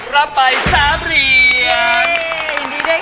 รับไป๓เหรียญ